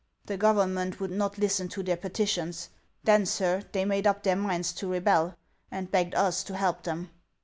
The government would not listen to their peti tions. Then, sir, they made up their minds to rebel, and begged us to help them.